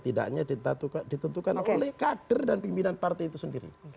tidaknya ditentukan oleh kader dan pimpinan partai itu sendiri